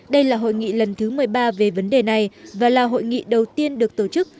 đây là hội nghị lần thứ một mươi ba về vấn đề này và là hội nghị đầu tiên được tổ chức